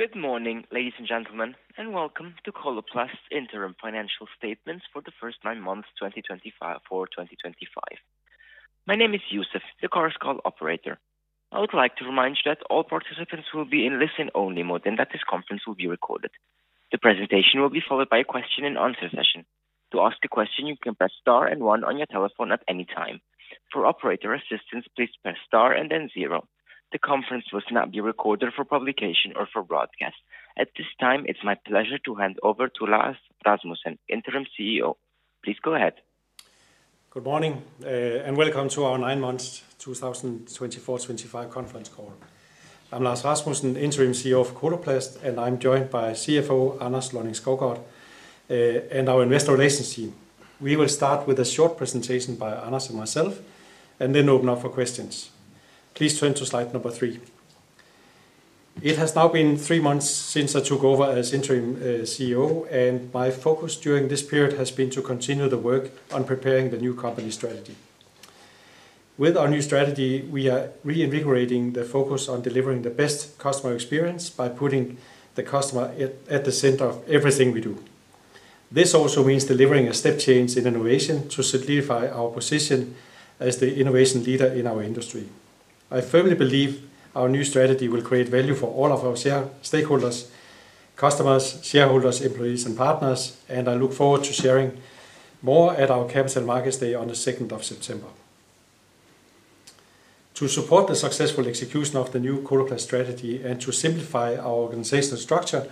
Good morning, ladies and gentlemen, and welcome to Coloplast's Interim Financial Statements for the First Nine Months, 2024-2025. My name is Yusuf, the corresponding operator. I would like to remind you that all participants will be in listen-only mode and that this conference will be recorded. The presentation will be followed by a question-and-answer session. To ask the question, you can press star and one on your telephone at any time. For operator assistance, please press star and then zero. The conference will not be recorded for publication or for broadcast. At this time, it's my pleasure to hand over to Lars Rasmussen, Interim CEO. Please go ahead. Good morning, and welcome to our Nine Months, 2024-2025 Conference Call. I'm Lars Rasmussen, Interim CEO of Coloplast, and I'm joined by CFO Anders Lonning-Skovgaard and our Investor Relations team. We will start with a short presentation by Anders and myself, and then open up for questions. Please turn to slide number three. It has now been three months since I took over as Interim CEO, and my focus during this period has been to continue the work on preparing the new company strategy. With our new strategy, we are reinvigorating the focus on delivering the best customer experience by putting the customer at the center of everything we do. This also means delivering a step change in innovation to solidify our position as the innovation leader in our industry. I firmly believe our new strategy will create value for all of us here, stakeholders, customers, shareholders, employees, and partners, and I look forward to sharing more at our Capital Markets Day on the 2nd of September. To support the successful execution of the new Coloplast strategy and to simplify our organizational structure,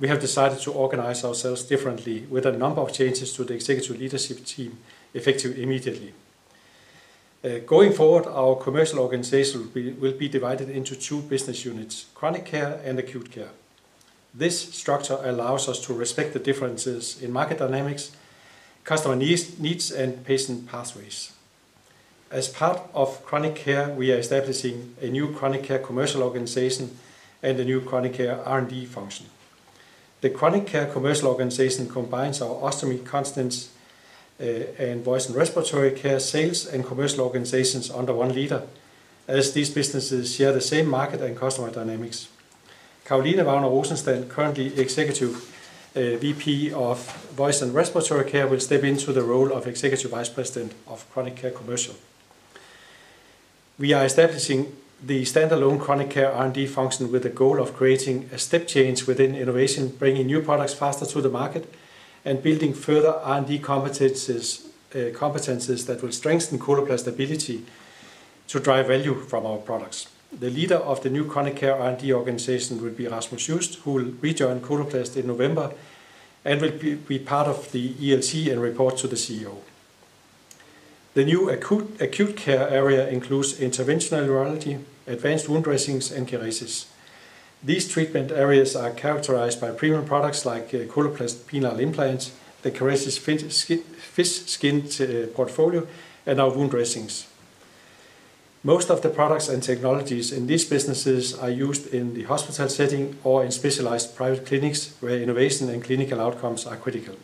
we have decided to organize ourselves differently with a number of changes to the Executive Leadership Team effective immediately. Going forward, our commercial organization will be divided into two business units: chronic care and acute care. This structure allows us to respect the differences in market dynamics, customer needs, and patient pathways. As part of chronic care, we are establishing a new Chronic Care Commercial organization and a new Chronic Care R&D function. The Chronic Care Commercial organization combines our ostomy, continence, and voice & respiratory care sales and commercial organizations under one leader, as these businesses share the same market and customer dynamics. Caroline Vagner Rosenstand, currently Executive Vice President of Voice & Respiratory Care, will step into the role of Executive Vice President of Chronic Care Commercial. We are establishing the standalone Chronic Care R&D function with the goal of creating a step change within innovation, bringing new products faster to the market, and building further R&D competencies that will strengthen Coloplast's ability to drive value from our products. The leader of the new Chronic Care R&D organization will be Rasmus Juist, who will rejoin Coloplast in November and will be part of the ELC and report to the CEO. The new acute care area includes interventional urology, advanced wound dressings, and Kerecis. These treatment areas are characterized by premium products like Coloplast penile implants, the Kerecis fish skin portfolio, and our wound dressings. Most of the products and technologies in these businesses are used in the hospital setting or in specialized private clinics where innovation and clinical outcomes are critical.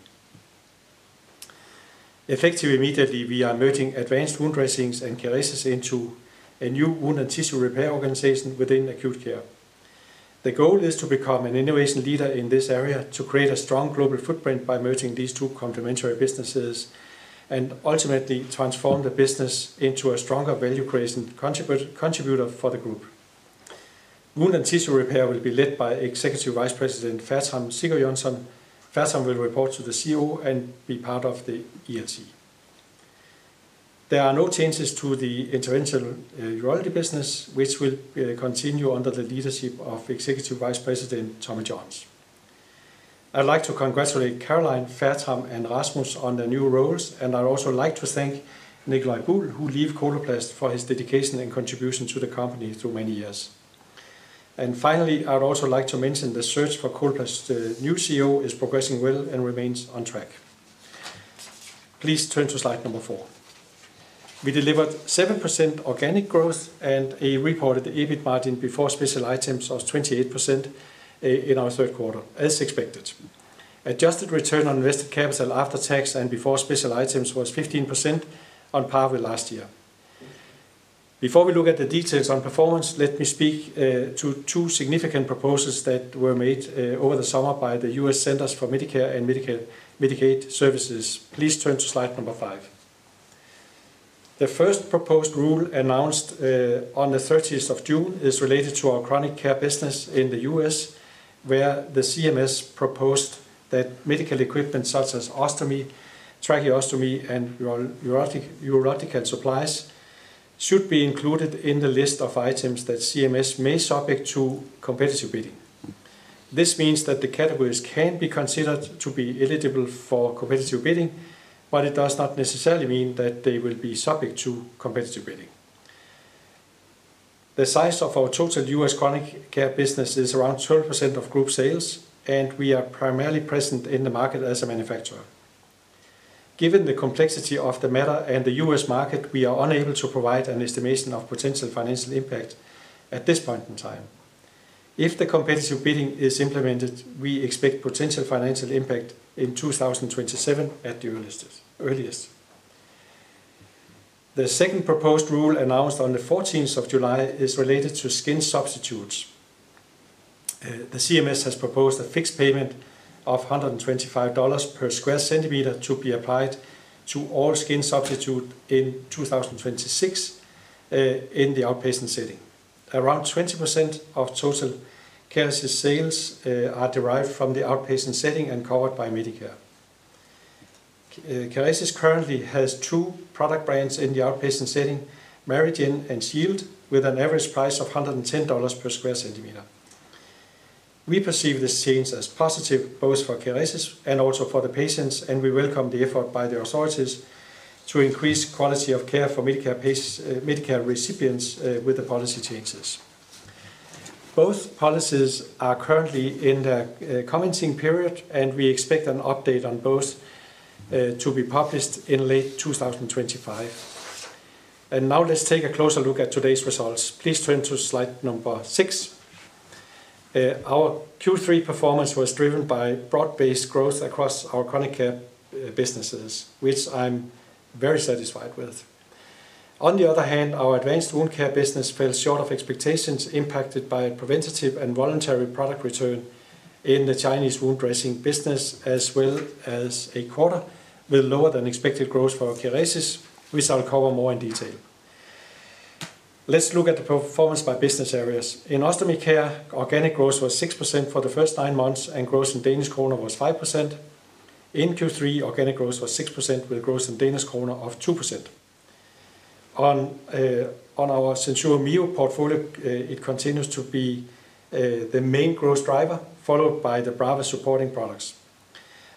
Effective immediately, we are merging advanced wound dressings and Kerecis into a new wound and tissue repair organization within acute care. The goal is to become an innovation leader in this area, to create a strong global footprint by merging these two complementary businesses and ultimately transform the business into a stronger value creation contributor for the group. Wound and tissue repair will be led by Executive Vice President, Fertram Sigurjonsson. Fertram will report to the CEO and be part of the ELC. There are no changes to the interventional urology business, which will continue under the leadership of Executive Vice President, Thomas Johns Jr. I'd like to congratulate Caroline, Fertram, and Rasmus on their new roles, and I'd also like to thank Nicolai Andersen, who leads Coloplast, for his dedication and contribution to the company through many years. I'd also like to mention the search for Coloplast's new CEO is progressing well and remains on track. Please turn to slide number four. We delivered 7% organic growth and a reported EBIT margin before special items of 28% in our third quarter, as expected. Adjusted return on invested capital after tax and before special items was 15% on par with last year. Before we look at the details on performance, let me speak to two significant proposals that were made over the summer by the US CMS. Please turn to slide number five. The first proposed rule announced on the 30th of June is related to our chronic care business in the US, where the CMS proposed that medical equipment such as ostomy, tracheostomy, and urological supplies should be included in the list of items that CMS may subject to competitive bidding. This means that the categories can be considered to be eligible for competitive bidding, but it does not necessarily mean that they will be subject to competitive bidding. The size of our total US chronic care business is around 12% of group sales, and we are primarily present in the market as a manufacturer. Given the complexity of the matter and the U.S. market, we are unable to provide an estimation of potential financial impact at this point in time. If the competitive bidding is implemented, we expect potential financial impact in 2027 at the earliest. The second proposed rule announced on the 14th of July is related to skin substitutes. The U.S. CMS has proposed a fixed payment of $125 per square centimeter to be applied to all skin substitutes in 2026 in the outpatient setting. Around 20% of total Kerecis sales are derived from the outpatient setting and covered by Medicare. Kerecis currently has two product brands in the outpatient setting, MariGen and Shield, with an average price of $110 per square centimeter. We perceive this change as positive, both for Kerecis and also for the patients, and we welcome the effort by the authorities to increase quality of care for Medicare recipients with the policy changes. Both policies are currently in their commencing period, and we expect an update on both to be published in late 2025. Now let's take a closer look at today's results. Please turn to slide number six. Our Q3 performance was driven by broad-based growth across our chronic care businesses, which I'm very satisfied with. On the other hand, our advanced wound care business fell short of expectations, impacted by preventative and voluntary product return in the Chinese wound dressing business, as well as a quarter with lower than expected growth for Kerecis, which I'll cover more in detail. Let's look at the performance by business areas. In ostomy care, organic growth was 6% for the first nine months, and growth in Danish krone was 5%. In Q3, organic growth was 6% with growth in Danish krone of 2%. On our SenSura Mio portfolio, it continues to be the main growth driver, followed by the Brava supporting products.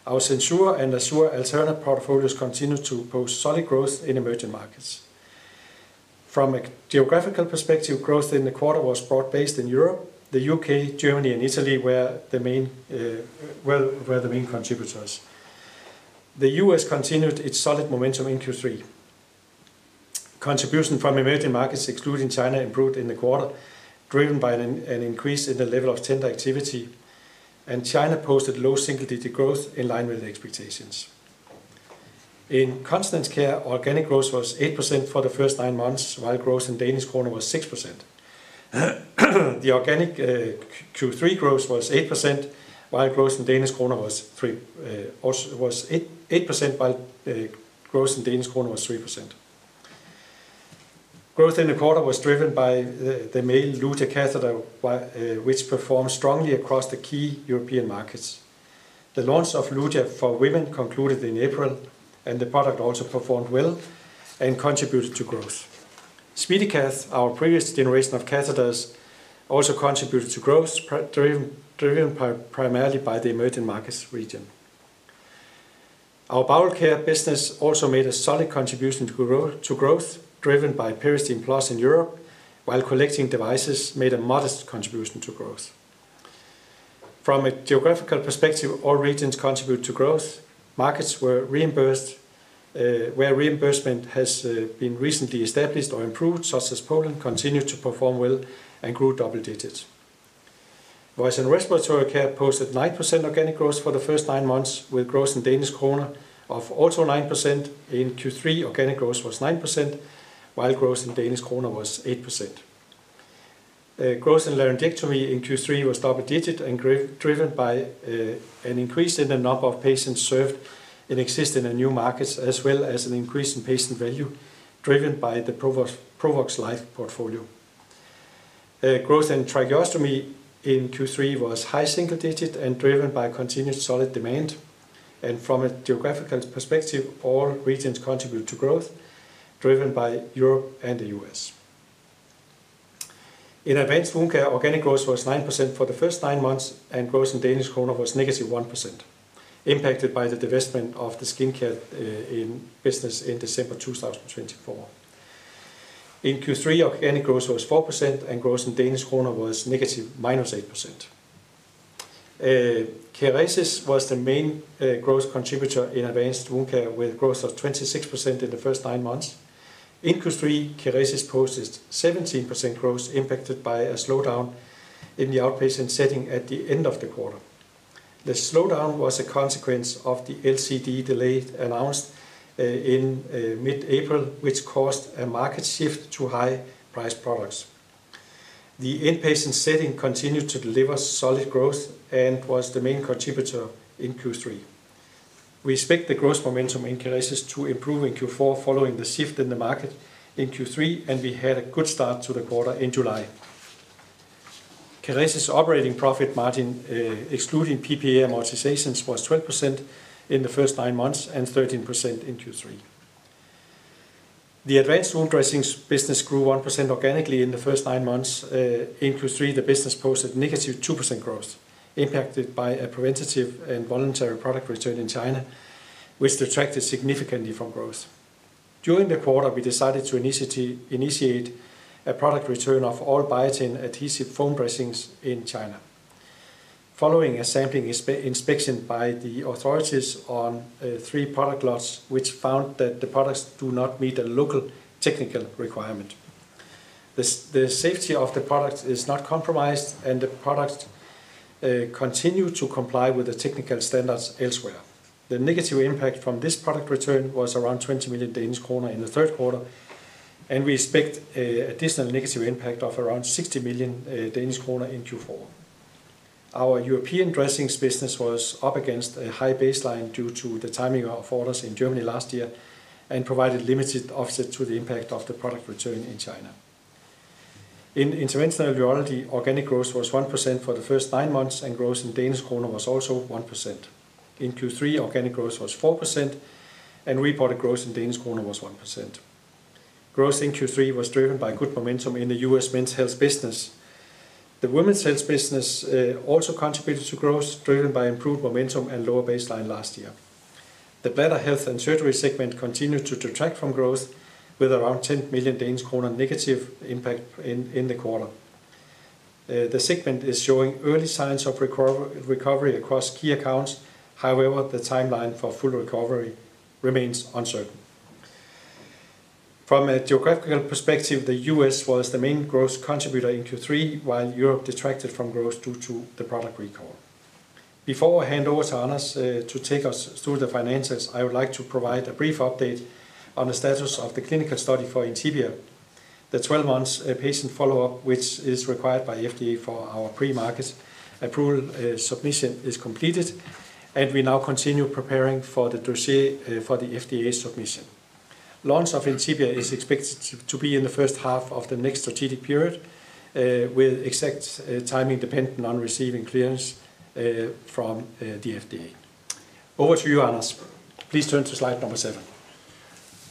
Our SenSura and Assura alternate portfolios continue to post solid growth in emerging markets. From a geographical perspective, growth in the quarter was broad-based in Europe. The UK, Germany, and Italy were the main contributors. The U.S. continued its solid momentum in Q3. Contribution from emerging markets, excluding China, improved in the quarter, driven by an increase in the level of tender activity, and China posted low single-digit growth in line with the expectations. In continence care, organic growth was 8% for the first nine months, while growth in Danish krone was 6%. The organic Q3 growth was 8%, while growth in Danish krone was 3%. Growth in the quarter was driven by the male Luja catheter, which performed strongly across the key European markets. The launch of Luja for women concluded in April, and the product also performed well and contributed to growth. SpeediCath, our previous generation of catheters, also contributed to growth, driven primarily by the emerging markets region. Our bowel care business also made a solid contribution to growth, driven by Peristeen Plus in Europe, while collecting devices made a modest contribution to growth. From a geographical perspective, all regions contributed to growth. Markets where reimbursement has been recently established or improved, such as Poland, continue to perform well and grew double digits. Voice & respiratory care posted 9% organic growth for the first nine months, with growth in Danish krone of also 9%. In Q3, organic growth was 9%, while growth in Danish krone was 8%. Growth in laryngectomy in Q3 was double digit and driven by an increase in the number of patients served in existing and new markets, as well as an increase in patient value, driven by the Provox Life portfolio. Growth in tracheostomy in Q3 was high single digit and driven by continued solid demand. From a geographical perspective, all regions contribute to growth, driven by Europe and the U.S. In advanced wound care, organic growth was 9% for the first nine months, and growth in Danish krone was negative 1%, impacted by the divestment of the skincare business in December 2024. In Q3, organic growth was 4%, and growth in Danish krone was negative 8%. Kerecis was the main growth contributor in advanced wound care, with growth of 26% in the first nine months. In Q3, Kerecis posted 17% growth, impacted by a slowdown in the outpatient setting at the end of the quarter. The slowdown was a consequence of the LCD delay announced in mid-April, which caused a market shift to high-priced products. The inpatient setting continued to deliver solid growth and was the main contributor in Q3. We expect the growth momentum in Kerecis to improve in Q4 following the shift in the market in Q3, and we had a good start to the quarter in July. Kerecis operating profit margin, excluding PPA amortizations, was 12% in the first nine months and 13% in Q3. The advanced wound dressings business grew 1% organically in the first nine months. In Q3, the business posted negative 2% growth, impacted by a preventative and voluntary product return in China, which detracted significantly from growth. During the quarter, we decided to initiate a product return of all Biotene adhesive foam dressings in China, following a sampling inspection by the authorities on three product lots, which found that the products do not meet the local technical requirement. The safety of the products is not compromised, and the products continue to comply with the technical standards elsewhere. The negative impact from this product return was around 20 million Danish kroner in the third quarter, and we expect an additional negative impact of around 60 million Danish kroner in Q4. Our European dressings business was up against a high baseline due to the timing of orders in Germany last year and provided limited offset to the impact of the product return in China. In interventional urology, organic growth was 1% for the first nine months, and growth in Danish krona was also 1%. In Q3, organic growth was 4%, and reported growth in Danish krona was 1%. Growth in Q3 was driven by good momentum in the U.S. men's health business. The women's health business also contributed to growth, driven by improved momentum and lower baseline last year. The bladder health and surgery segment continued to detract from growth, with around 10 million Danish kroner negative impact in the quarter. The segment is showing early signs of recovery across key accounts. However, the timeline for full recovery remains uncertain. From a geographical perspective, the U.S. was the main growth contributor in Q3, while Europe detracted from growth due to the product recall. Before I hand over to Anders to take us through the financials, I would like to provide a brief update on the status of the clinical study for Incebia. The 12-month patient follow-up, which is required by FDA for our pre-market approval submission, is completed, and we now continue preparing for the dossier for the FDA submission. Launch of Incebia is expected to be in the first half of the next strategic period, with exact timing dependent on receiving clearance from the FDA. Over to you, Anders. Please turn to slide number seven.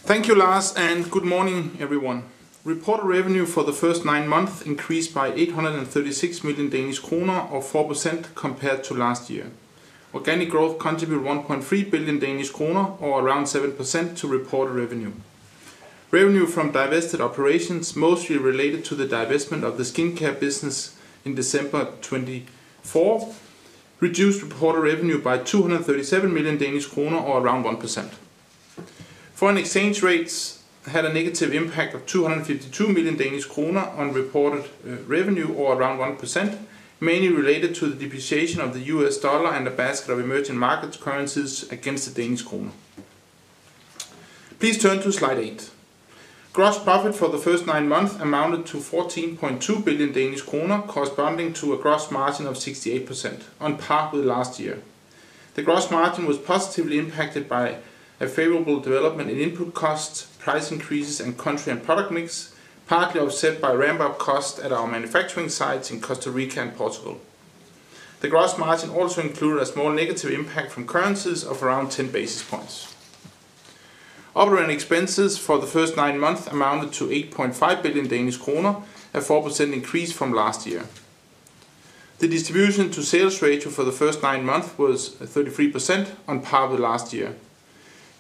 Thank you, Lars, and good morning, everyone. Reported revenue for the first nine months increased by 836 million Danish kroner, or 4% compared to last year. Organic growth contributed 1.3 billion Danish kroner, or around 7% to reported revenue. Revenue from divested operations, mostly related to the divestment of the skincare business in December 2024, reduced reported revenue by 237 million Danish kroner, or around 1%. Foreign exchange rates had a negative impact of 252 million Danish kroner on reported revenue, or around 1%, mainly related to the depreciation of the U.S. dollar and the basket of emerging markets currencies against the Danish krone. Please turn to slide eight. Gross profit for the first nine months amounted to 14.2 billion Danish kroner, corresponding to a gross margin of 68%, on par with last year. The gross margin was positively impacted by a favorable development in input costs, price increases, and country and product mix, partly offset by ramp-up costs at our manufacturing sites in Costa Rica and Portugal. The gross margin also included a small negative impact from currencies of around 10 basis points. Operating expenses for the first nine months amounted to 8.5 billion Danish kroner, a 4% increase from last year. The distribution-to-sales ratio for the first nine months was 33%, on par with last year.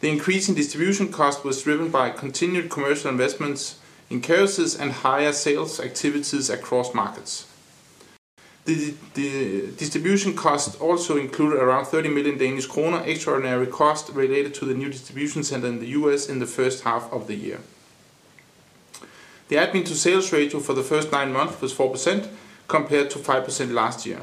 The increase in distribution costs was driven by continued commercial investments in Kerecis and higher sales activities across markets. The distribution costs also included around 30 million Danish kroner extraordinary costs related to the new distribution center in the U.S. in the first half of the year. The admin-to-sales ratio for the first nine months was 4% compared to 5% last year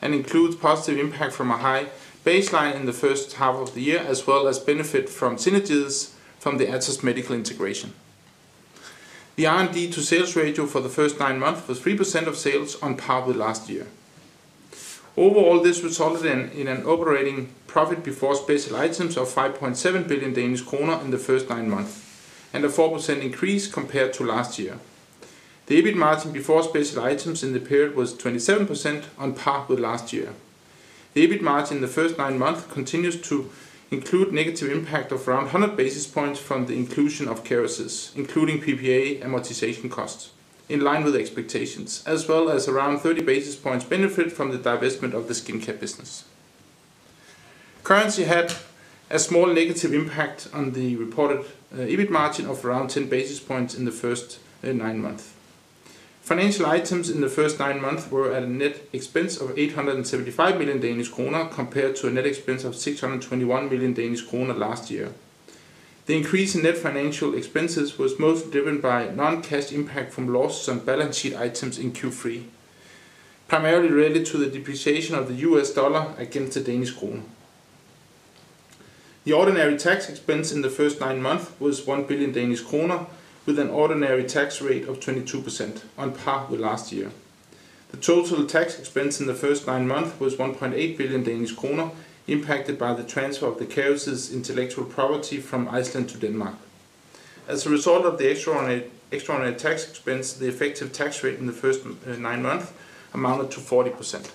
and includes positive impact from a high baseline in the first half of the year, as well as benefit from synergies from the Axis Medical Integration. The R&D-to-sales ratio for the first nine months was 3% of sales, on par with last year. Overall, this resulted in an operating profit before special items of 5.7 billion Danish kroner in the first nine months and a 4% increase compared to last year. The EBIT margin before special items in the period was 27%, on par with last year. The EBIT margin in the first nine months continues to include a negative impact of around 100 basis points from the inclusion of Kerecis, including PPA amortization costs, in line with expectations, as well as around 30 basis points benefit from the divestment of the skincare business. Currency had a small negative impact on the reported EBIT margin of around 10 basis points in the first nine months. Financial items in the first nine months were at a net expense of 875 million Danish kroner compared to a net expense of 621 million Danish kroner last year. The increase in net financial expenses was most driven by non-cash impact from losses on balance sheet items in Q3, primarily related to the depreciation of the U.S. dollar against the Danish krone. The ordinary tax expense in the first nine months was 1 billion Danish kroner, with an ordinary tax rate of 22%, on par with last year. The total tax expense in the first nine months was 1.8 billion Danish kroner, impacted by the transfer of the Kerecis intellectual property from Iceland to Denmark. As a result of the extraordinary tax expense, the effective tax rate in the first nine months amounted to 40%.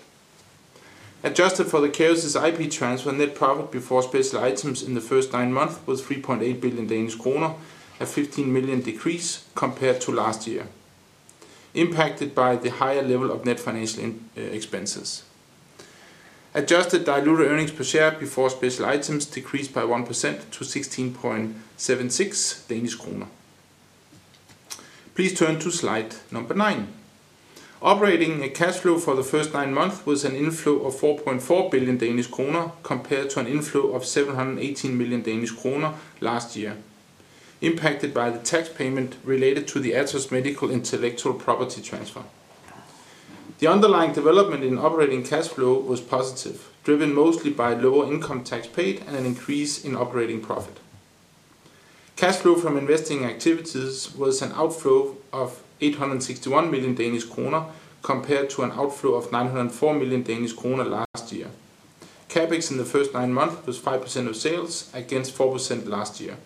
Adjusted for the Kerecis IP transfer, net profit before special items in the first nine months was 3.8 billion Danish kroner, a 15 million decrease compared to last year, impacted by the higher level of net financial expenses. Adjusted diluted earnings per share before special items decreased by 1% to 16.76 Danish kroner. Please turn to slide number nine. Operating cash flow for the first nine months was an inflow of 4.4 billion Danish kroner compared to an inflow of 718 million Danish kroner last year, impacted by the tax payment related to the AxioMed intellectual property transfer. The underlying development in operating cash flow was positive, driven mostly by lower income tax paid and an increase in operating profit. Cash flow from investing activities was an outflow of 861 million Danish kroner compared to an outflow of 904 million Danish kroner last year. CapEx in the first nine months was 5% of sales against 4% last year.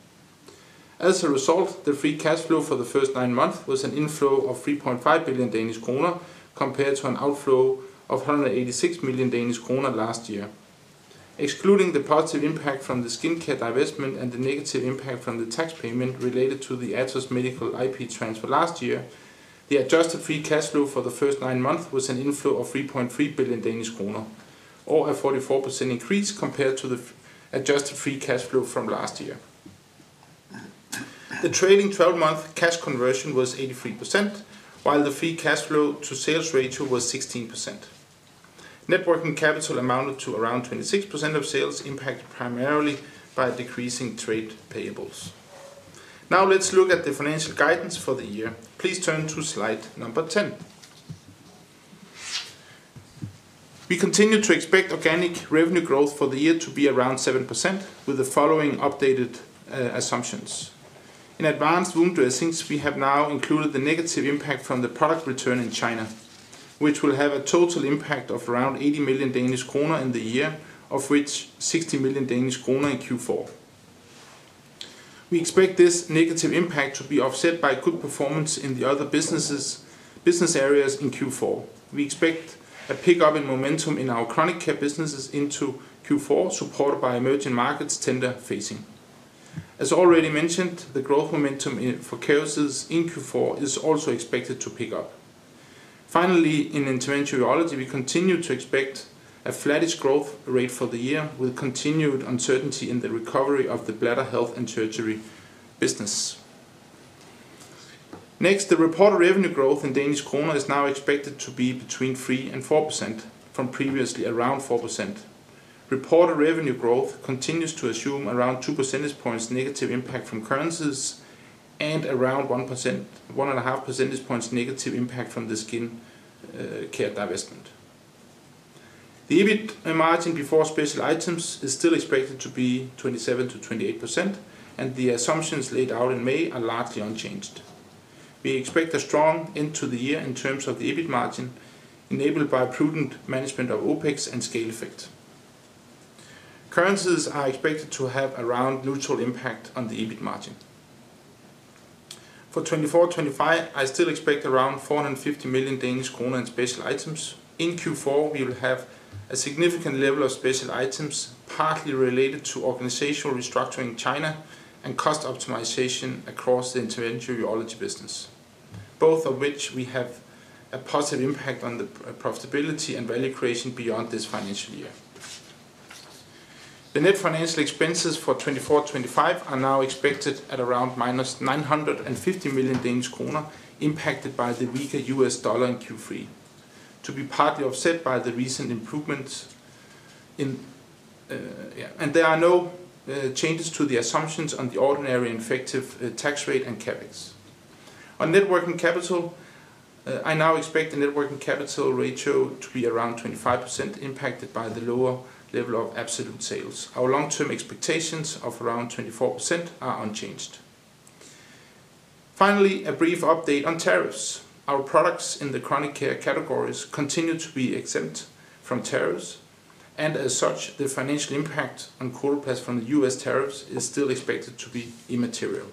As a result, the free cash flow for the first nine months was an inflow of 3.5 billion Danish kroner compared to an outflow of 186 million Danish kroner last year. Excluding the positive impact from the skin care divestment and the negative impact from the tax payment related to the AxioMed IP transfer last year, the adjusted free cash flow for the first nine months was an inflow of 3.3 billion Danish kroner, or a 44% increase compared to the adjusted free cash flow from last year. The trailing 12-month cash conversion was 83%, while the free cash flow-to-sales ratio was 16%. Net working capital amounted to around 26% of sales, impacted primarily by decreasing trade payables. Now let's look at the financial guidance for the year. Please turn to slide number 10. We continue to expect organic revenue growth for the year to be around 7%, with the following updated assumptions. In advanced wound dressings, we have now included the negative impact from the product return in China, which will have a total impact of around 80 million Danish kroner in the year, of which 60 million Danish kroner in Q4. We expect this negative impact to be offset by good performance in the other business areas in Q4. We expect a pickup in momentum in our chronic care businesses into Q4, supported by emerging markets tender facing. As already mentioned, the growth momentum for Kerecis in Q4 is also expected to pick up. Finally, in interventional urology, we continue to expect a flattish growth rate for the year, with continued uncertainty in the recovery of the bladder health and surgery business. Next, the reported revenue growth in Danish krone is now expected to be between 3% and 4%, from previously around 4%. Reported revenue growth continues to assume around 2 percentage points negative impact from currencies and around 1.5%− impact from the skin care divestment. The EBIT margin before special items is still expected to be 27%-28%, and the assumptions laid out in May are largely unchanged. We expect a strong end to the year in terms of the EBIT margin, enabled by prudent management of OpEx and scale effect. Currencies are expected to have a round neutral impact on the EBIT margin. For 2024-2025, I still expect around 450 million Danish kroner in special items. In Q4, we will have a significant level of special items, partly related to organizational restructuring in China and cost optimization across the interventional urology business, both of which will have a positive impact on the profitability and value creation beyond this financial year. The net financial expenses for 2024-2025 are now expected at around minus 950 million Danish kroner, impacted by the weaker U.S. dollar in Q3, to be partly offset by the recent improvements. There are no changes to the assumptions on the ordinary and effective tax rate and CapEx. On net working capital, I now expect the net working capital ratio to be around 25%, impacted by the lower level of absolute sales. Our long-term expectations of around 24% are unchanged. Finally, a brief update on tariffs. Our products in the chronic care categories continue to be exempt from tariffs, and as such, the financial impact on Coloplast from the U.S. tariffs is still expected to be immaterial.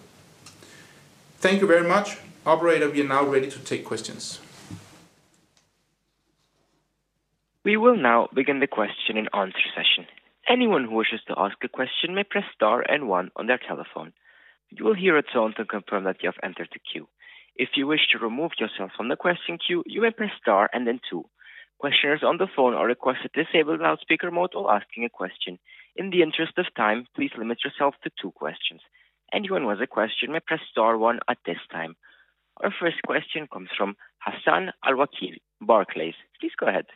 Thank you very much. Operator, we are now ready to take questions. We will now begin the question-and-answer session. Anyone who wishes to ask a question may press star and one on their telephone. You will hear a tone to confirm that you have entered the queue. If you wish to remove yourself from the question queue, you may press star and then two. Questioners on the phone are requested to disable loudspeaker mode while asking a question. In the interest of time, please limit yourself to two questions. Anyone who has a question may press star one at this time. Our first question comes from Hassan Al-Wakeel, Barclays. Please go ahead.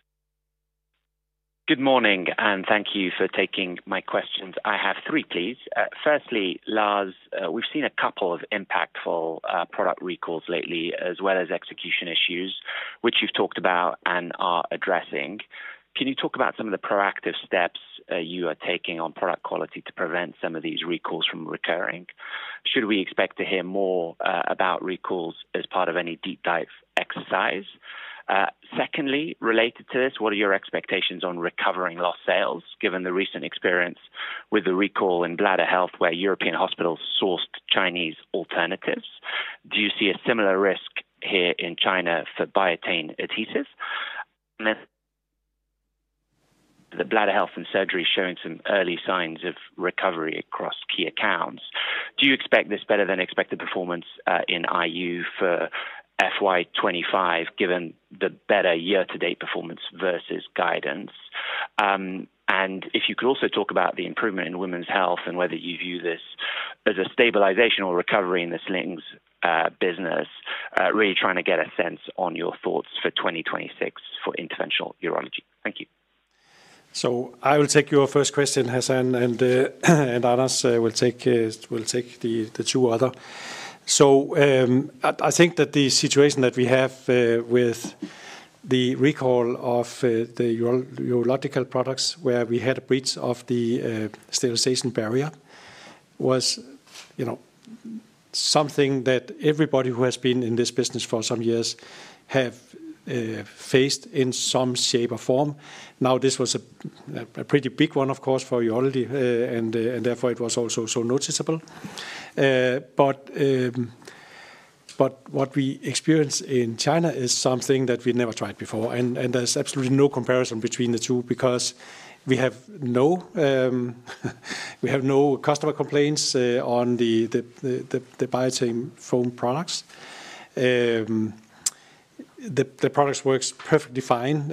Good morning, and thank you for taking my questions. I have three, please. Firstly, Lars, we've seen a couple of impactful product recalls lately, as well as execution issues, which you've talked about and are addressing. Can you talk about some of the proactive steps you are taking on product quality to prevent some of these recalls from recurring? Should we expect to hear more about recalls as part of any deep dive exercise? Secondly, related to this, what are your expectations on recovering lost sales, given the recent experience with the recall in bladder health, where European hospitals sourced Chinese alternatives? Do you see a similar risk here in China for Biotene adhesives? The bladder health and surgery is showing some early signs of recovery across key accounts. Do you expect this better than expected performance in IU for FY2025, given the better year-to-date performance versus guidance? If you could also talk about the improvement in women's health and whether you view this as a stabilization or recovery in the slings business, really trying to get a sense on your thoughts for 2026 for interventional urology. Thank you. I will take your first question, Hassan, and Anders will take the two other. I think that the situation that we have with the recall of the urological products, where we had a breach of the sterilization barrier, was something that everybody who has been in this business for some years has faced in some shape or form. This was a pretty big one, of course, for urology, and therefore it was also so noticeable. What we experienced in China is something that we never tried before, and there's absolutely no comparison between the two because we have no customer complaints on the Biotene foam products. The products work perfectly fine.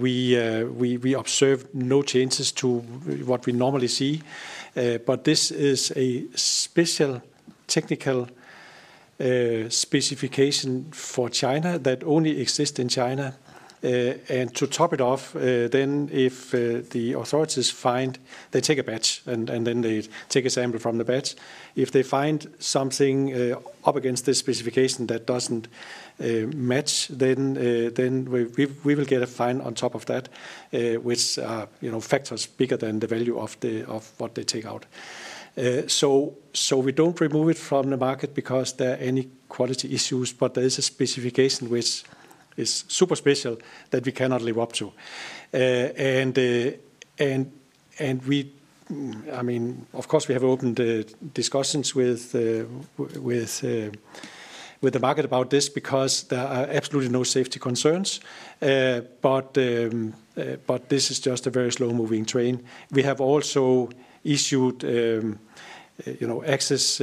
We observed no changes to what we normally see, but this is a special technical specification for China that only exists in China. To top it off, if the authorities find, they take a batch, and then they take a sample from the batch. If they find something up against this specification that doesn't match, we will get a fine on top of that with factors bigger than the value of what they take out. We don't remove it from the market because there are any quality issues, but there is a specification which is super special that we cannot live up to. We have opened discussions with the market about this because there are absolutely no safety concerns, but this is just a very slow-moving train. We have also issued access,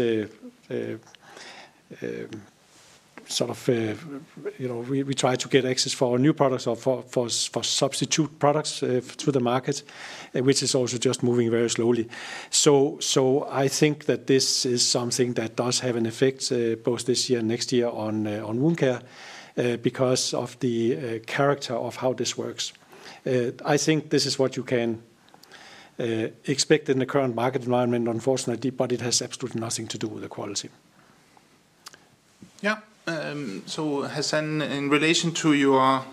sort of, you know, we try to get access for new products or for substitute products to the market, which is also just moving very slowly. I think that this is something that does have an effect both this year and next year on wound care because of the character of how this works. I think this is what you can expect in the current market environment, unfortunately, but it has absolutely nothing to do with the quality. Hassan, in relation to your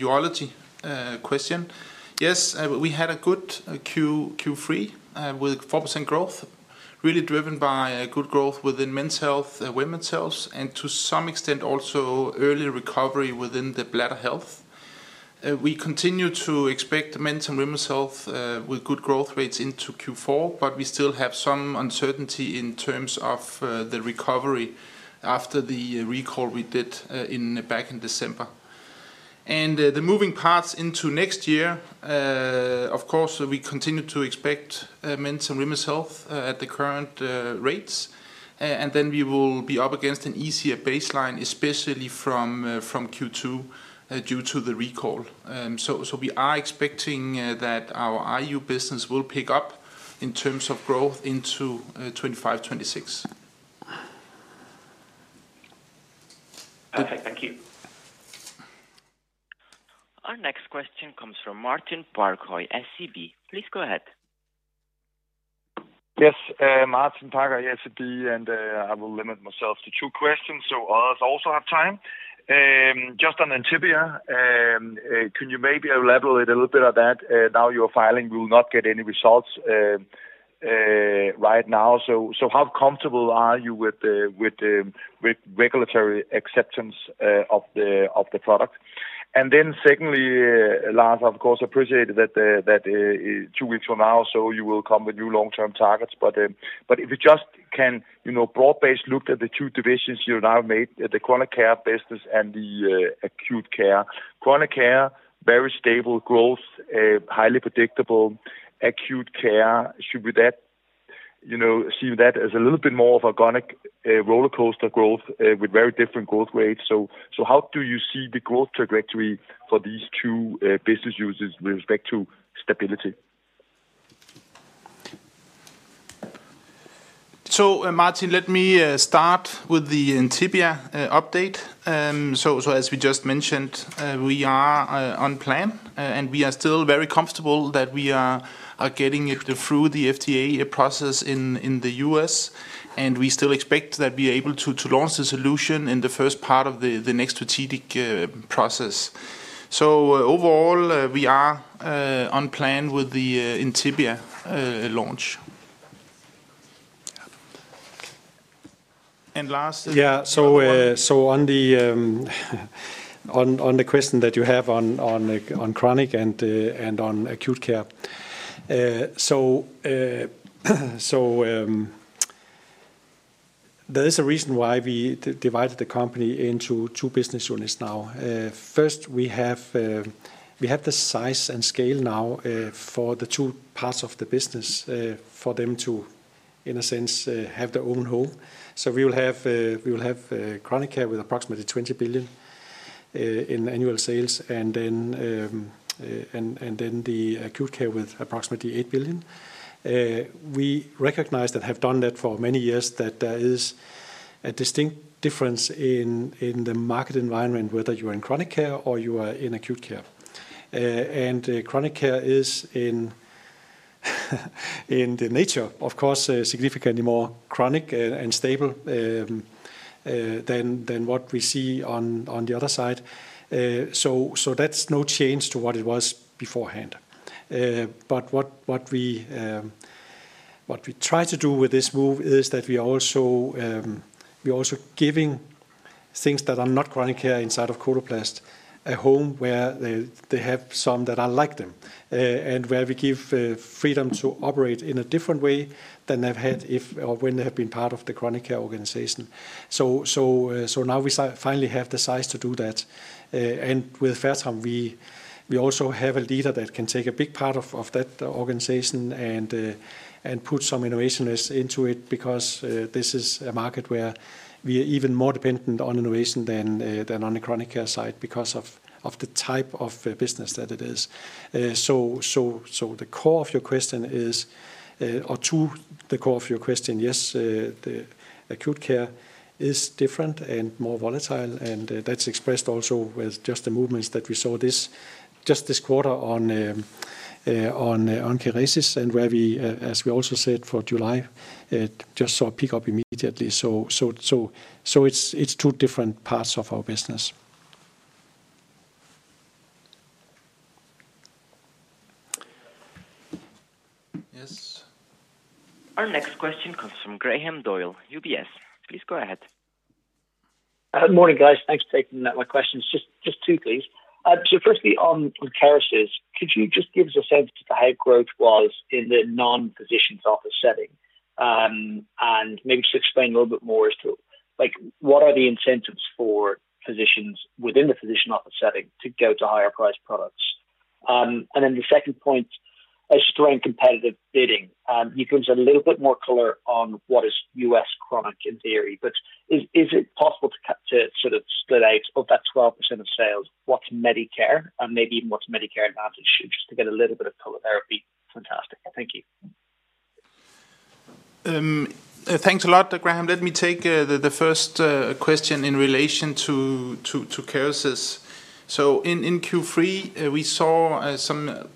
urology question, yes, we had a good Q3 with 4% growth, really driven by good growth within men's health, women's health, and to some extent also early recovery within the bladder health. We continue to expect men's and women's health with good growth rates into Q4, but we still have some uncertainty in terms of the recovery after the recall we did back in December. The moving parts into next year, of course, we continue to expect men's and women's health at the current rates, and then we will be up against an easier baseline, especially from Q2 due to the recall. We are expecting that our IU business will pick up in terms of growth into 2025-2026. Perfect. Thank you. Our next question comes from Martin Parkhøi, SEB. Please go ahead. Yes, Martin Parkhøi, SEB, and I will limit myself to two questions so others also have time. Just on Incebia, can you maybe elaborate a little bit on that? Now your filing will not get any results right now. How comfortable are you with regulatory acceptance of the product? Secondly, Lars, of course, I appreciate that two weeks from now or so you will come with new long-term targets. If you just can broadly look at the two divisions you now made, the chronic care business and the acute care. Chronic care, very stable growth, highly predictable. Acute care, should we see that as a little bit more of a roller coaster growth with very different growth rates? How do you see the growth trajectory for these two business uses with respect to stability? Martin, let me start with the Incebia update. As we just mentioned, we are on plan, and we are still very comfortable that we are getting it through the FDA process in the U.S., and we still expect that we are able to launch the solution in the first part of the next strategic process. Overall, we are on plan with the Incebia launch. Last. Yeah, so on the question that you have on chronic and on acute care, there is a reason why we divided the company into two business units now. First, we have the size and scale now for the two parts of the business for them to, in a sense, have their own home. We will have chronic care with approximately 20 billion in annual sales, and then the acute care with approximately 8 billion. We recognize and have done that for many years, that there is a distinct difference in the market environment, whether you're in chronic care or you are in acute care. Chronic care is, in the nature, of course, significantly more chronic and stable than what we see on the other side. That's no change to what it was beforehand. What we try to do with this move is that we are also giving things that are not chronic care inside of Coloplast a home where they have some that are like them and where we give freedom to operate in a different way than they've had if or when they have been part of the chronic care organization. Now we finally have the size to do that. With Fertram, we also have a leader that can take a big part of that organization and put some innovation into it because this is a market where we are even more dependent on innovation than on the chronic care side because of the type of business that it is. To the core of your question, yes, the acute care is different and more volatile, and that's expressed also with just the movements that we saw just this quarter on Kerecis and where we, as we also said for July, just saw a pickup immediately. It's two different parts of our business. Yes. Our next question comes from Graham Doyle, UBS. Please go ahead. Good morning, guys. Thanks for taking my questions. Just two, please. Firstly, on Kerecis, could you just give us a sense of how growth was in the non-physician's office setting? Maybe just explain a little bit more as to what are the incentives for physicians within the physician office setting to go to higher-priced products? The second point, a strong competitive bidding. You've given us a little bit more color on what is U.S. chronic in theory, but is it possible to sort of split out of that 12% of sales? What's Medicare and maybe even what's Medicare and ADIS? Just to get a little bit of color there, it'd be fantastic. Thank you. Thanks a lot, Graham. Let me take the first question in relation to Kerecis. In Q3, we saw some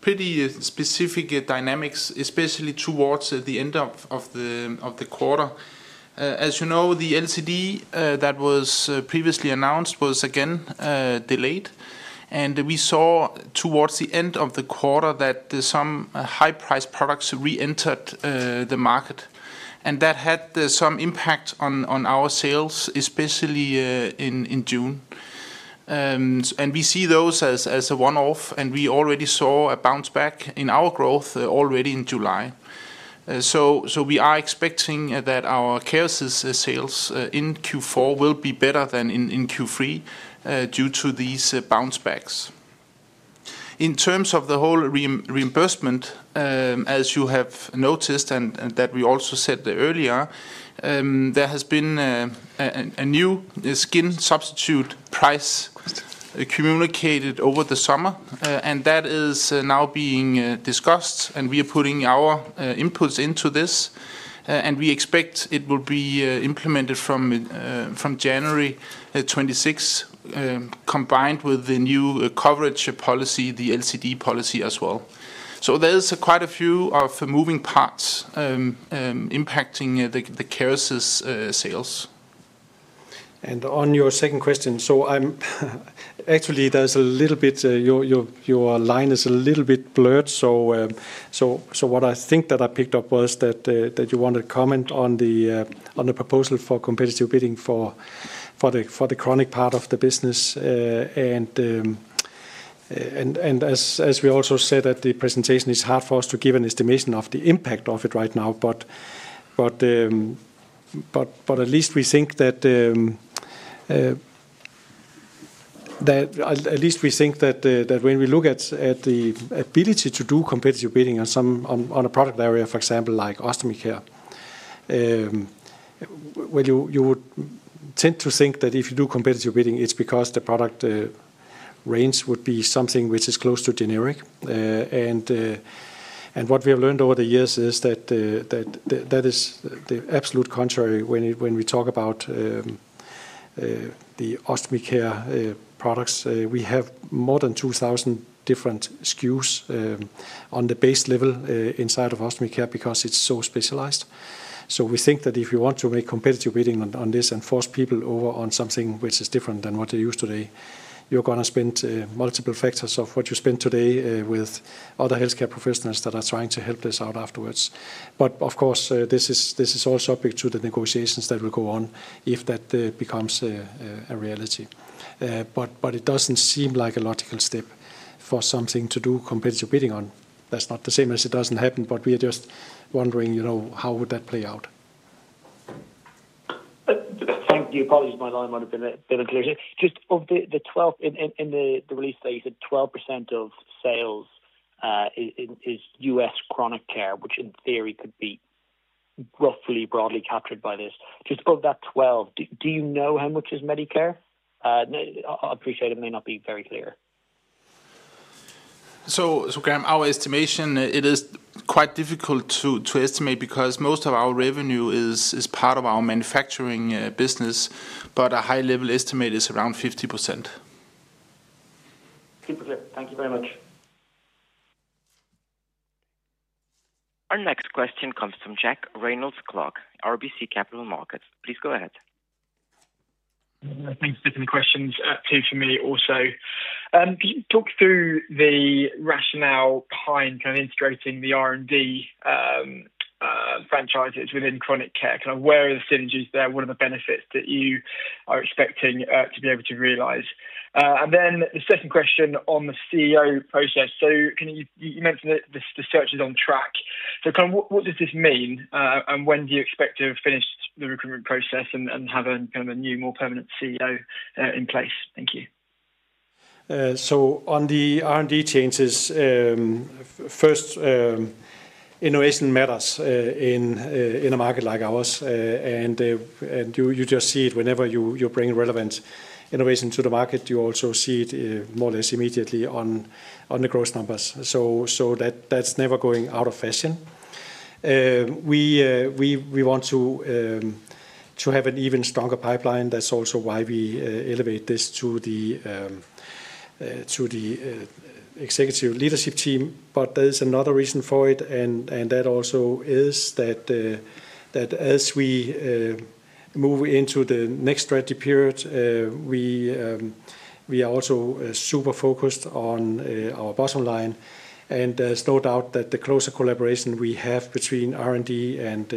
pretty specific dynamics, especially towards the end of the quarter. As you know, the LCD that was previously announced was again delayed, and we saw towards the end of the quarter that some high-priced products reentered the market. That had some impact on our sales, especially in June. We see those as a one-off, and we already saw a bounce back in our growth already in July. We are expecting that our Kerecis sales in Q4 will be better than in Q3 due to these bounce backs. In terms of the whole reimbursement, as you have noticed and that we also said earlier, there has been a new skin substitute price communicated over the summer, and that is now being discussed, and we are putting our inputs into this. We expect it will be implemented from January 2026, combined with the new coverage policy, the LCD policy as well. There are quite a few of the moving parts impacting the Kerecis sales. On your second question, actually, your line is a little bit blurred. What I think that I picked up was that you wanted to comment on the proposal for competitive bidding for the chronic part of the business. As we also said at the presentation, it's hard for us to give an estimation of the impact of it right now, but at least we think that when we look at the ability to do competitive bidding on a product area, for example, like ostomy care, you would tend to think that if you do competitive bidding, it's because the product range would be something which is close to generic. What we have learned over the years is that that is the absolute contrary. When we talk about the ostomy care products, we have more than 2,000 different SKUs on the base level inside of ostomy care because it's so specialized. We think that if you want to make competitive bidding on this and force people over on something which is different than what they use today, you're going to spend multiple factors of what you spend today with other healthcare professionals that are trying to help this out afterwards. Of course, this is all subject to the negotiations that will go on if that becomes a reality. It doesn't seem like a logical step for something to do competitive bidding on. That's not to say it doesn't happen, but we are just wondering, you know, how would that play out? Thank you. Apologies. My line might have been unclear. Just of the 12% in the release date, 12% of sales is U.S. chronic care, which in theory could be roughly broadly captured by this. Just of that 12%, do you know how much is Medicare? I appreciate it may not be very clear. Graham, our estimation, it is quite difficult to estimate because most of our revenue is part of our manufacturing business, but a high-level estimate is around 50%. 50%. Thank you very much. Our next question comes from Jack Reynolds-Clark, RBC Capital Markets. Please go ahead. Thanks for the questions, two from me also. Could you talk through the rationale behind kind of integrating the R&D franchises within chronic care? Where are the synergies there? What are the benefits that you are expecting to be able to realize? The second question on the CEO process, you mentioned that the search is on track. What does this mean, and when do you expect to finish the recruitment process and have a kind of a new, more permanent CEO in place? Thank you. On the R&D changes, first, innovation matters in a market like ours. You just see it whenever you bring relevant innovation to the market. You also see it more or less immediately on the growth numbers. That is never going out of fashion. We want to have an even stronger pipeline. That is also why we elevate this to the Executive Leadership Team. There is another reason for it. As we move into the next strategy period, we are also super focused on our bottom line. There is no doubt that the closer collaboration we have between R&D and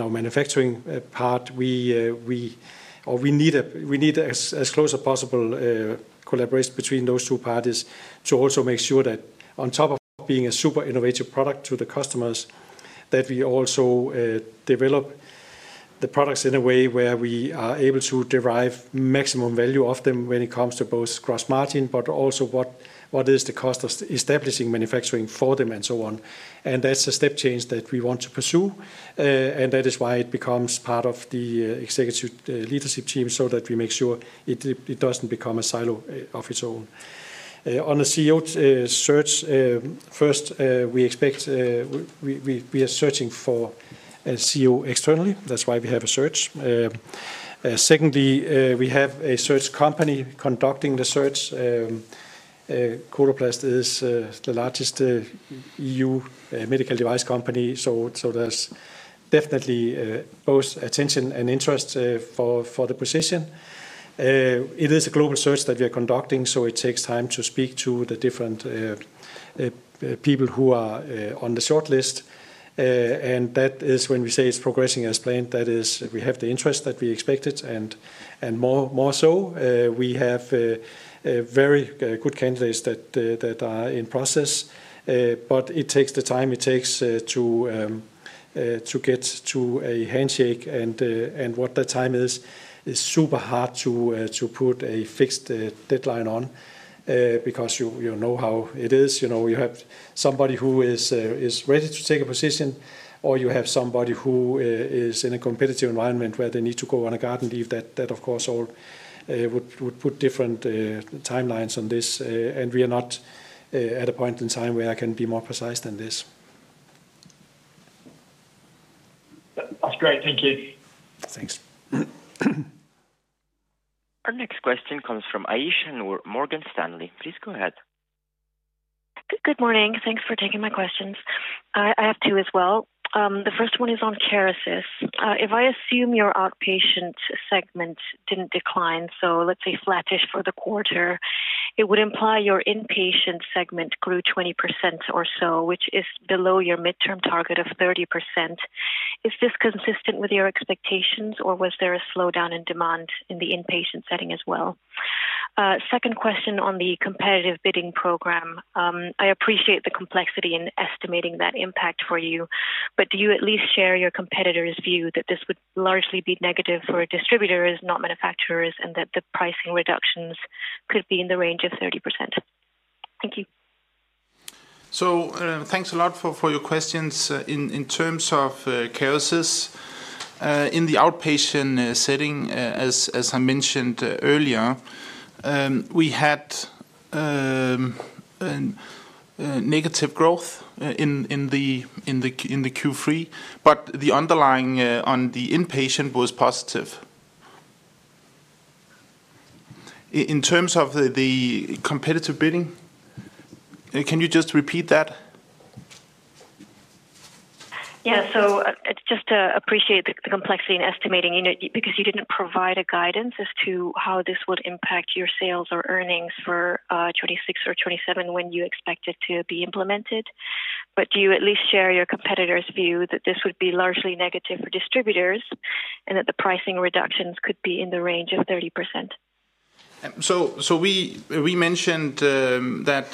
our manufacturing part, we need as close as possible collaboration between those two parties to also make sure that on top of being a super innovative product to the customers, we also develop the products in a way where we are able to derive maximum value of them when it comes to both gross margin, but also what is the cost of establishing manufacturing for them and so on. That is a step change that we want to pursue. That is why it becomes part of the Executive Leadership Team so that we make sure it does not become a silo of its own. On the CEO search, first, we expect we are searching for a CEO externally. That is why we have a search. Secondly, we have a search company conducting the search. Coloplast is the largest EU medical device company, so there is definitely both attention and interest for the position. It is a global search that we are conducting, so it takes time to speak to the different people who are on the shortlist. That is when we say it is progressing as planned. That is, we have the interest that we expected, and more so, we have very good candidates that are in process. It takes the time it takes to get to a handshake. What that time is, it is super hard to put a fixed deadline on because you know how it is. You have somebody who is ready to take a position, or you have somebody who is in a competitive environment where they need to go on a garden leave. That, of course, all would put different timelines on this. We are not at a point in time where I can be more precise than this. That was great. Thank you. Thanks. Our next question comes from Aisyah Noor, Morgan Stanley. Please go ahead. Good morning. Thanks for taking my questions. I have two as well. The first one is on Kerecis. If I assume your outpatient segment didn't decline, so let's say flattish for the quarter, it would imply your inpatient segment grew 20% or so, which is below your midterm target of 30%. Is this consistent with your expectations, or was there a slowdown in demand in the inpatient setting as well? Second question on the competitive bidding program. I appreciate the complexity in estimating that impact for you, but do you at least share your competitor's view that this would largely be negative for distributors, not manufacturers, and that the pricing reductions could be in the range of 30%? Thank you. Thanks a lot for your questions. In terms of Kerecis, in the outpatient setting, as I mentioned earlier, we had negative growth in Q3, but the underlying on the inpatient was positive. In terms of the competitive bidding, can you just repeat that? I appreciate the complexity in estimating because you didn't provide a guidance as to how this would impact your sales or earnings for 2026 or 2027 when you expect it to be implemented. Do you at least share your competitor's view that this would be largely negative for distributors and that the pricing reductions could be in the range of 30%? We mentioned that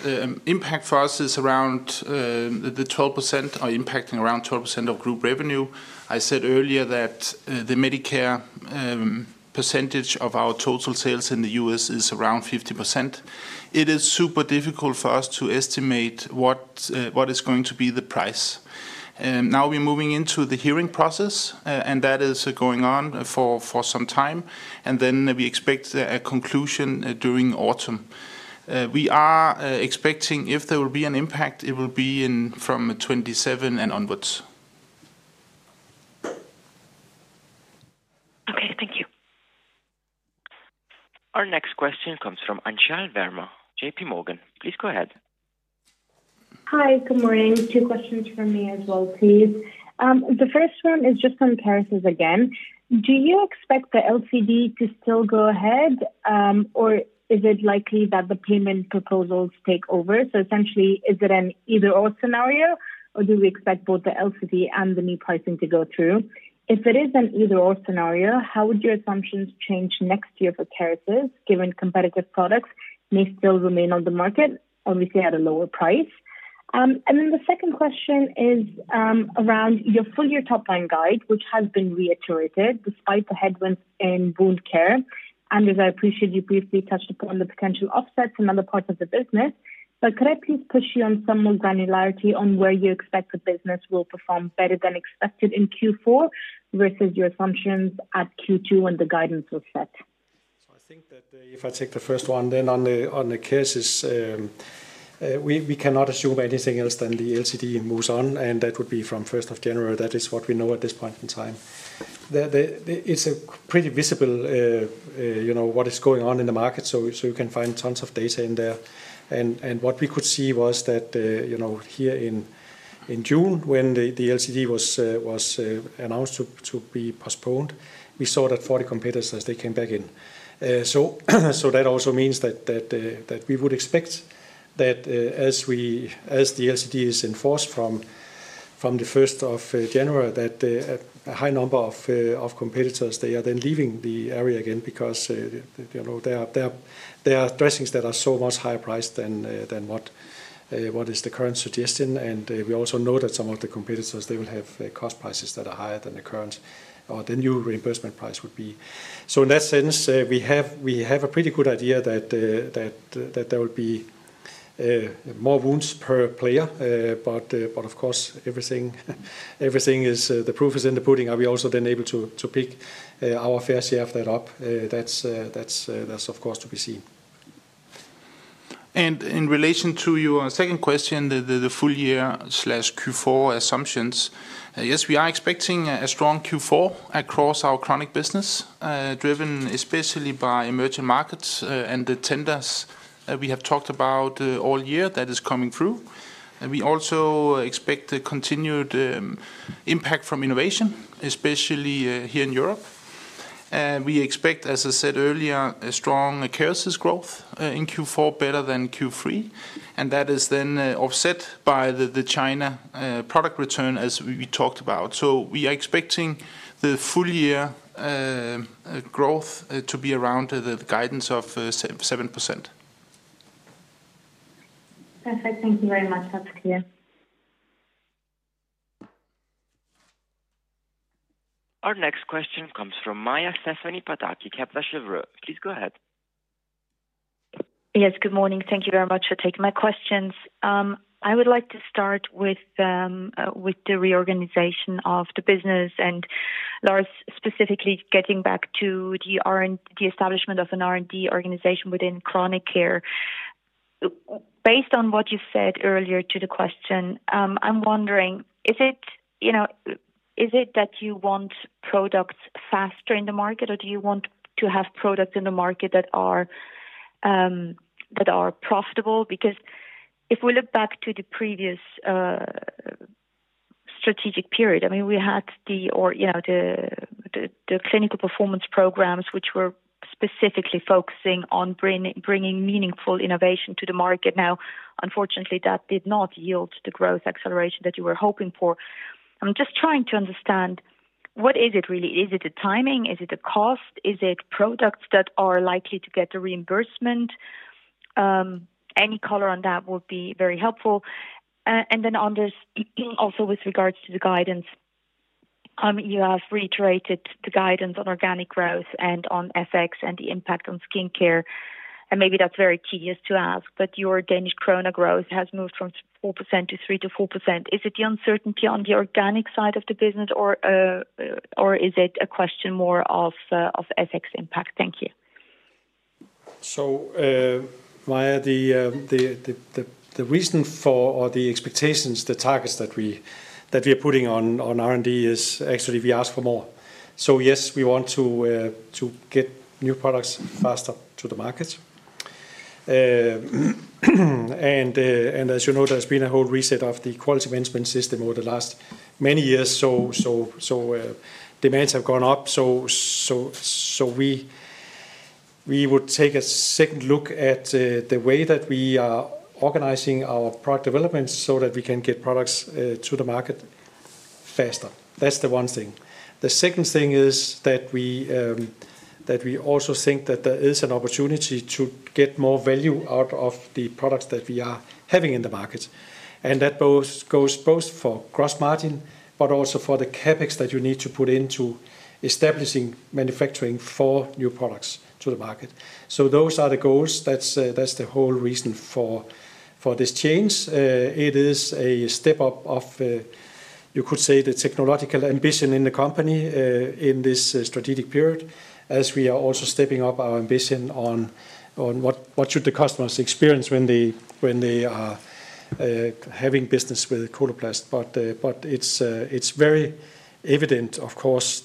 impact for us is around 12% or impacting around 12% of group revenue. I said earlier that the Medicare percentage of our total sales in the U.S. is around 50%. It is super difficult for us to estimate what is going to be the price. Now we're moving into the hearing process, and that is going on for some time. We expect a conclusion during autumn. We are expecting if there will be an impact, it will be from 2027 and onwards. Okay. Thank you. Our next question comes from Anchal Verma, JP Morgan. Please go ahead. Hi. Good morning. Two questions from me as well, please. The first one is just on Kerecis again. Do you expect the LCD to still go ahead, or is it likely that the payment proposals take over? Essentially, is it an either-or scenario, or do we expect both the LCD and the new pricing to go through? If it is an either-or scenario, how would your assumptions change next year for Kerecis given competitive products may still remain on the market, obviously at a lower price? The second question is around your full-year top-line guide, which has been reiterated despite the headwinds in wound care. Anders, I appreciate you briefly touched upon the potential offsets in other parts of the business. Could I please push you on some more granularity on where you expect the business will perform better than expected in Q4 versus your assumptions at Q2 when the guidance was set? I think that if I take the first one, then on the Kerecis, we cannot assume anything else than the LCD moves on, and that would be from January 1. That is what we know at this point in time. It's a pretty visible, you know, what is going on in the market, so you can find tons of data in there. What we could see was that, you know, here in June, when the LCD was announced to be postponed, we saw that 40 competitors, they came back in. That also means that we would expect that as the LCD is enforced from January 1, that a high number of competitors, they are then leaving the area again because there are dressings that are so much higher priced than what is the current suggestion. We also know that some of the competitors, they will have cost prices that are higher than the current, or the new reimbursement price would be. In that sense, we have a pretty good idea that there will be more wounds per player. Of course, everything is the proof is in the pudding. Are we also then able to pick our fair share of that up? That's, of course, to be seen. In relation to your second question, the full-year/Q4 assumptions, yes, we are expecting a strong Q4 across our chronic business, driven especially by emerging markets and the tenders we have talked about all year that is coming through. We also expect the continued impact from innovation, especially here in Europe. We expect, as I said earlier, a strong Kerecis growth in Q4, better than Q3. That is then offset by the China product return, as we talked about. We are expecting the full-year growth to be around the guidance of 7%. Perfect. Thank you very much, Anders. Our next question comes from Maja Stephanie Padaki, Kepler Cheuvreux. Please go ahead. Yes, good morning. Thank you very much for taking my questions. I would like to start with the reorganization of the business and, Lars, specifically getting back to the establishment of an R&D organization within chronic care. Based on what you said earlier to the question, I'm wondering, is it that you want products faster in the market, or do you want to have products in the market that are profitable? Because if we look back to the previous strategic period, I mean, we had the clinical performance programs, which were specifically focusing on bringing meaningful innovation to the market. Now, unfortunately, that did not yield the growth acceleration that you were hoping for. I'm just trying to understand what is it really? Is it the timing? Is it the cost? Is it products that are likely to get the reimbursement? Any color on that would be very helpful. Also, with regards to the guidance, you have reiterated the guidance on organic growth and on FX and the impact on skincare. Maybe that's very tedious to ask, but your Danish krone growth has moved from 4%-3%-4%. Is it the uncertainty on the organic side of the business, or is it a question more of FX impact? Thank you. Maya, the reason for or the expectations, the targets that we are putting on R&D is actually we ask for more. Yes, we want to get new products faster to the market. As you know, there's been a whole reset of the quality management system over the last many years. Demands have gone up. We would take a second look at the way that we are organizing our product development so that we can get products to the market faster. That's the one thing. The second thing is that we also think that there is an opportunity to get more value out of the products that we are having in the market. That goes both for gross margin, but also for the CapEx that you need to put into establishing manufacturing for new products to the market. Those are the goals. That's the whole reason for this change. It is a step up of, you could say, the technological ambition in the company in this strategic period, as we are also stepping up our ambition on what should the customers experience when they are having business with Coloplast. It's very evident, of course,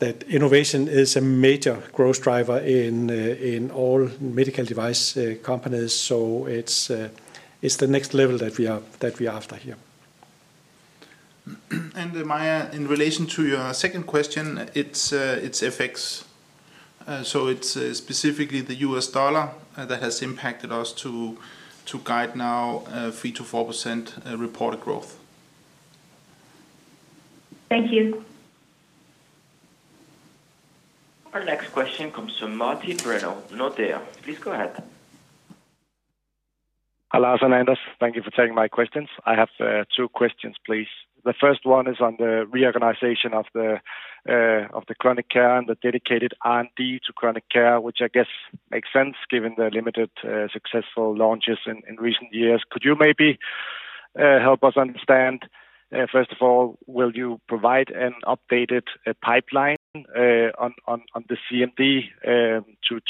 that innovation is a major growth driver in all medical device companies. It's the next level that we are after here. Maya, in relation to your second question, it's FX. It's specifically the U.S. dollar that has impacted us to guide now 3%-4% reported growth. Thank you. Our next question comes from Martin Brenno, Nordea. Please go ahead. Hi, Lars and Anders. Thank you for taking my questions. I have two questions, please. The first one is on the reorganization of the chronic care and the dedicated R&D to chronic care, which I guess makes sense given the limited successful launches in recent years. Could you maybe help us understand, first of all, will you provide an updated pipeline on the C&D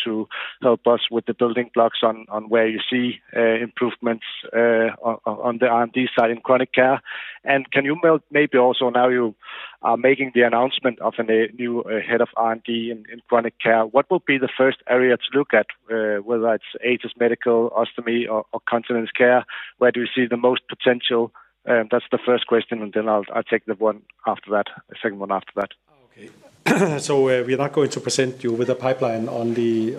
to help us with the building blocks on where you see improvements on the R&D side in chronic care? Can you maybe also, now you are making the announcement of a new Head of R&D in chronic care, what will be the first area to look at, whether it's ages medical, ostomy, or continence care? Where do you see the most potential? That's the first question, and then I'll take the one after that, the second one after that. Okay. We are not going to present you with a pipeline on the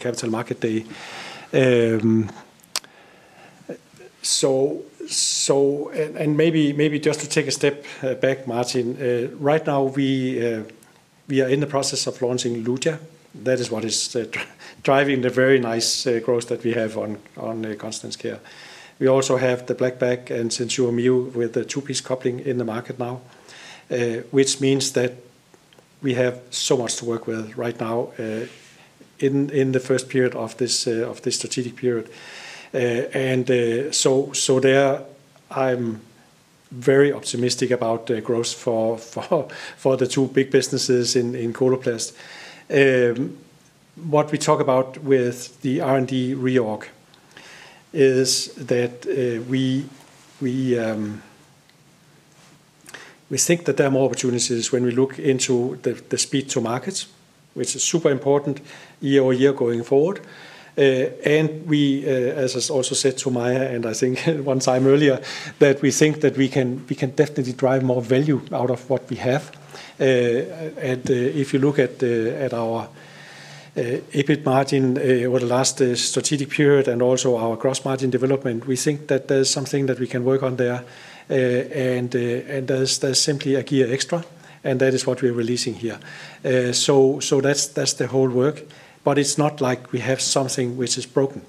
Capital Market Day. Maybe just to take a step back, Martin, right now we are in the process of launching Lutia. That is what is driving the very nice growth that we have on chronic care. We also have the BlackBack and SenSura Mio with the two-piece coupling in the market now, which means that we have so much to work with right now in the first period of this strategic period. I am very optimistic about the growth for the two big businesses in Coloplast. What we talk about with the R&D reorg is that we think that there are more opportunities when we look into the speed to market, which is super important year over year going forward. As I also said to Maja, and I think one time earlier, we think that we can definitely drive more value out of what we have. If you look at our EBIT margin over the last strategic period and also our gross margin development, we think that there is something that we can work on there. There is simply a gear extra, and that is what we are releasing here. That is the whole work. It is not like we have something which is broken.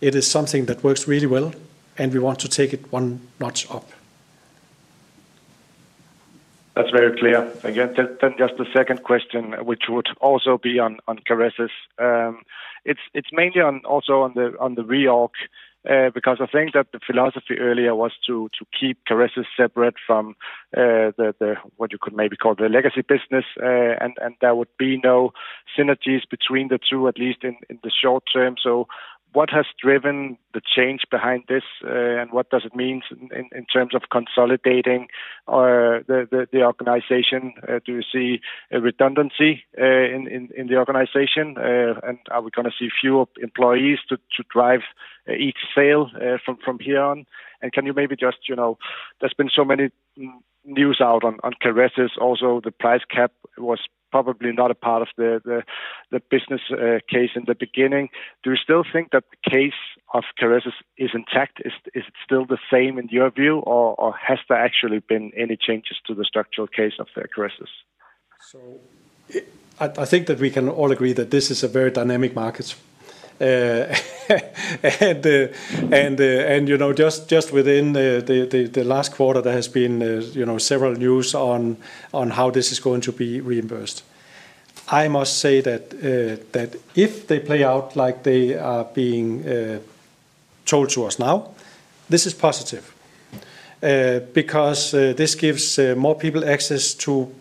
It is something that works really well, and we want to take it one notch up. That's very clear. Again, just the second question, which would also be on Kerecis. It's mainly also on the reorg because I think that the philosophy earlier was to keep Kerecis separate from what you could maybe call the legacy business, and there would be no synergies between the two, at least in the short term. What has driven the change behind this, and what does it mean in terms of consolidating the organization? Do you see a redundancy in the organization? Are we going to see fewer employees to drive each sale from here on? There's been so many news out on Kerecis. Also, the price cap was probably not a part of the business case in the beginning. Do you still think that the case of Kerecis is intact? Is it still the same in your view, or has there actually been any changes to the structural case of Kerecis? I think that we can all agree that this is a very dynamic market. Just within the last quarter, there has been several news on how this is going to be reimbursed. I must say that if they play out like they are being told to us now, this is positive because this gives more people access to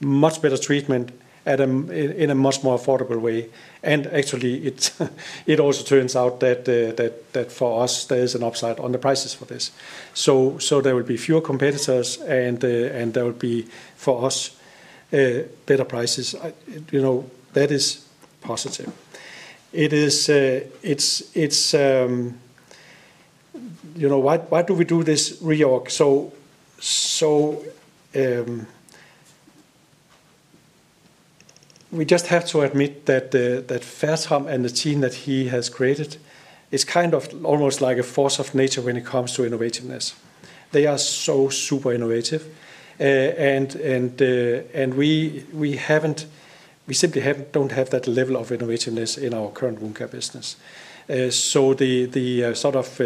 much better treatment in a much more affordable way. Actually, it also turns out that for us, there is an upside on the prices for this. There will be fewer competitors, and there will be, for us, better prices. That is positive. Why do we do this reorg? We just have to admit that Fertram and the team that he has created is kind of almost like a force of nature when it comes to innovativeness. They are so super innovative. We simply don't have that level of innovativeness in our current wound care business. The sort of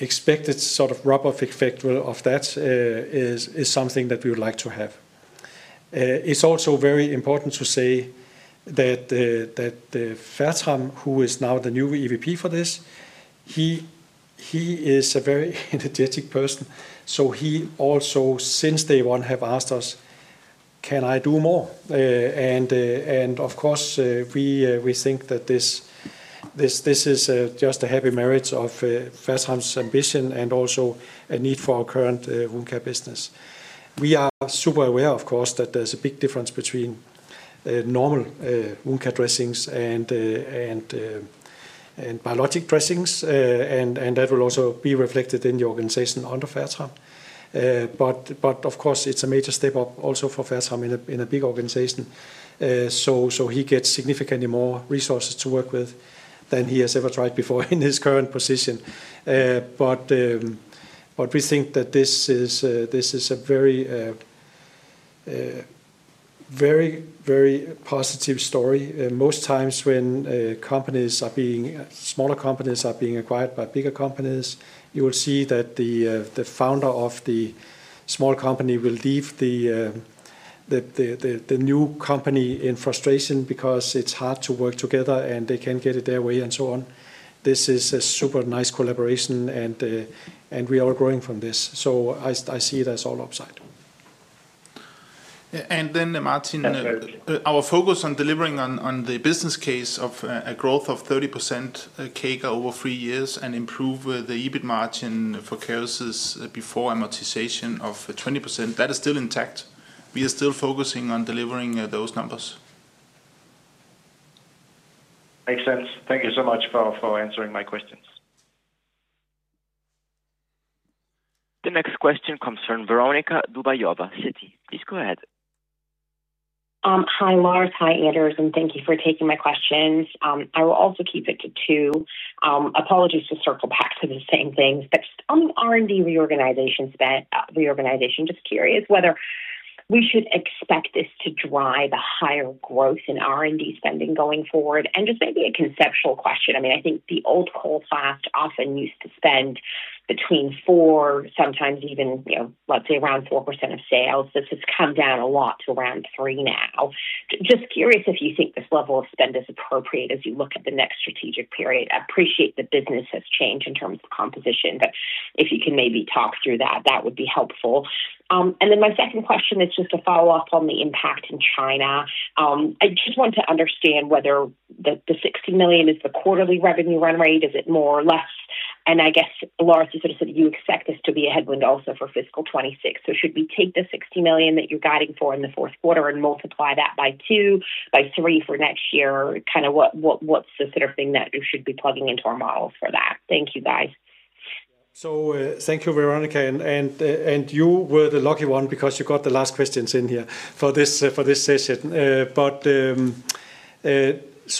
expected sort of rub-off effect of that is something that we would like to have. It's also very important to say that Fertram, who is now the new EVP for this, he is a very energetic person. He also, since day one, has asked us, can I do more? Of course, we think that this is just a happy marriage of Fertram's ambition and also a need for our current wound care business. We are super aware, of course, that there's a big difference between normal wound care dressings and biologic dressings, and that will also be reflected in the organization under Fertram. Of course, it's a major step up also for Fertram in a big organization. He gets significantly more resources to work with than he has ever tried before in his current position. We think that this is a very, very, very positive story. Most times when companies are being, smaller companies are being acquired by bigger companies, you will see that the founder of the small company will leave the new company in frustration because it's hard to work together, and they can't get it their way and so on. This is a super nice collaboration, and we are all growing from this. I see it as all upside. Martin, our focus on delivering on the business case of a growth of 30% CAGR over three years and improve the EBIT margin for Kerecis before amortization of 20%, that is still intact. We are still focusing on delivering those numbers. Makes sense. Thank you so much for answering my questions. The next question comes from Veronica Dubajova, Citi. Please go ahead. Hi, Lars. Hi, Anders, and thank you for taking my questions. I will also keep it to two. Apologies to circle back to the same things. On the R&D reorganization spend, I'm just curious whether we should expect this to drive a higher growth in R&D spending going forward. Maybe a conceptual question. I think the old Coloplast often used to spend between 4%, sometimes even, let's say, around 4% of sales. This has come down a lot to around 3% now. Just curious if you think this level of spend is appropriate as you look at the next strategic period. I appreciate the business has changed in terms of composition, but if you can maybe talk through that, that would be helpful. My second question is just a follow-up on the impact in China. I just want to understand whether the $60 million is the quarterly revenue run rate. Is it more or less? I guess, Lars, you sort of said that you expect this to be a headwind also for fiscal 2026. Should we take the $60 million that you're guiding for in the fourth quarter and multiply that by two, by three for next year? What's the sort of thing that we should be plugging into our model for that? Thank you, guys. Thank you, Veronica. You were the lucky one because you got the last questions in here for this session.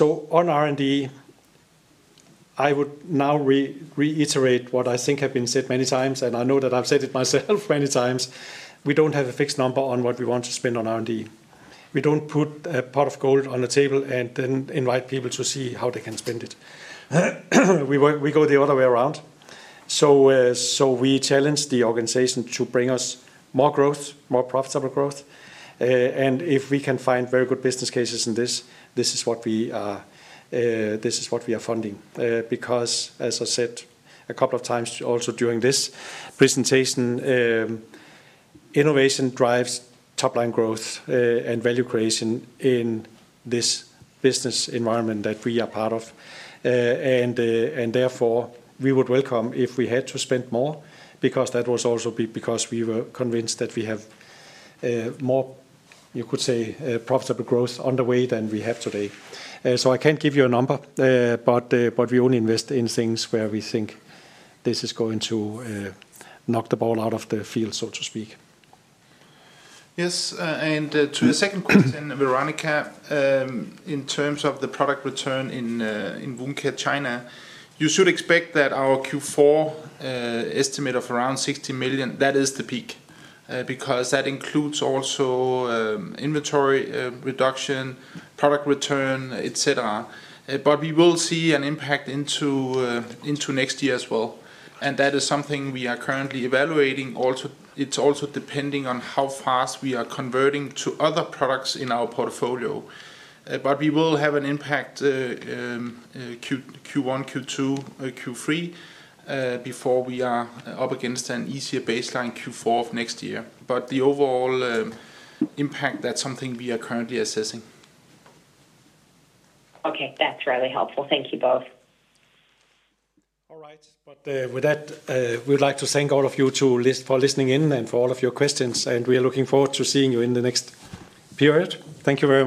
On R&D, I would now reiterate what I think has been said many times, and I know that I've said it myself many times. We don't have a fixed number on what we want to spend on R&D. We don't put a pot of gold on the table and then invite people to see how they can spend it. We go the other way around. We challenge the organization to bring us more growth, more profitable growth. If we can find very good business cases in this, this is what we are funding. As I said a couple of times also during this presentation, innovation drives top-line growth and value creation in this business environment that we are part of. Therefore, we would welcome if we had to spend more because that was also because we were convinced that we have more, you could say, profitable growth on the way than we have today. I can't give you a number, but we only invest in things where we think this is going to knock the ball out of the field, so to speak. To your second question, Veronica, in terms of the product return in wound care China, you should expect that our Q4 estimate of around $60 million, that is the peak, because that includes also inventory reduction, product return, etc. We will see an impact into next year as well. That is something we are currently evaluating. Also, it's depending on how fast we are converting to other products in our portfolio. We will have an impact Q1, Q2, Q3 before we are up against an easier baseline Q4 of next year. The overall impact, that's something we are currently assessing. Okay. That's really helpful. Thank you both. All right. We would like to thank all of you for listening in and for all of your questions. We are looking forward to seeing you in the next period. Thank you very much.